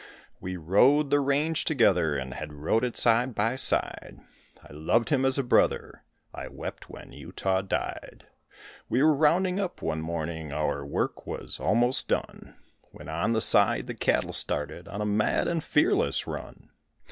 We rode the range together and had rode it side by side; I loved him as a brother, I wept when Utah died; We were rounding up one morning, our work was almost done, When on the side the cattle started on a mad and fearless run.